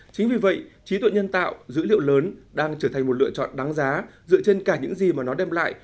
chính vì vậy trí tuệ nhân tạo dữ liệu lớn đang trở thành một lựa chọn đáng giá dựa trên cả những gì mà nó đem lại